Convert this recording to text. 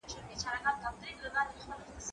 که وخت وي، اوبه پاکوم!.